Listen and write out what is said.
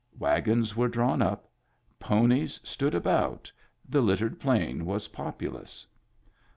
Wagons were drawn up, ponies stood about, the littered plain was pop ulous.